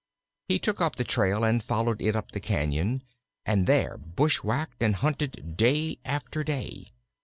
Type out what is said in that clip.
He took up the trail and followed it up the cañon, and there bushwhacked and hunted day after day.